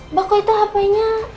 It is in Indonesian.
mbak kok itu hapenya